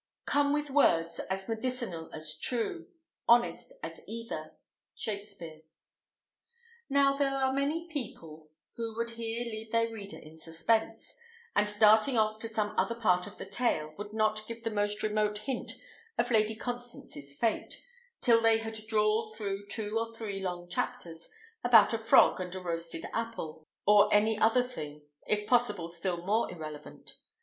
Come with words as medicinal as true, Honest as either. Shakspere. Now, there are many people who would here leave their reader in suspense, and, darting off to some other part of the tale, would not give the most remote hint of Lady Constance's fate, till they had drawled through two or three long chapters about a frog and a roasted apple, or any other thing, if possible still more irrelevant.